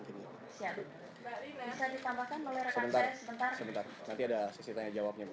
kalau tidak salah tiga puluh m